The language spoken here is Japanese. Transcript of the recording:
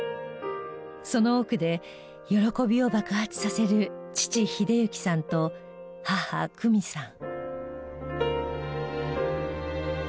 その奥で喜びを爆発させる父英幸さんと母久美さん。